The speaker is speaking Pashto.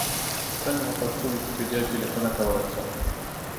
څنګه په پښتو ویکیپېډیا کې لیکنه کولای شم؟